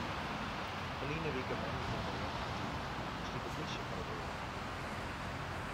Ferline wike moandeitemoarn betiid stie de plysje foar de doar.